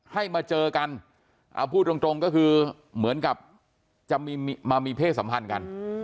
ให้มาเจอกันเอาพูดตรงก็คือเหมือนกับจะมีมามีเพศสัมพันธ์กัน